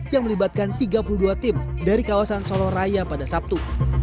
yang melibatkan tiga puluh dua tim dari kawasan solo raya pada sabtu